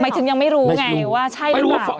ถึงยังไม่รู้ไงว่าใช่หรือเปล่า